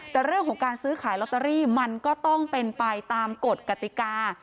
แต่เรื่องของการซื้อขายลอตเตอรี่มันก็ต้องเป็นไปตามกฎกติกา